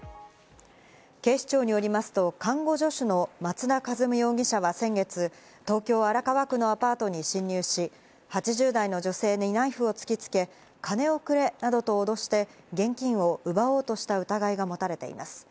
警視庁によりますと、看護助手の松田一夢容疑者は先月、東京・荒川区のアパートに侵入し、８０代の女性にナイフを突きつけ、金をくれなどと脅して、現金を奪おうとした疑いが持たれています。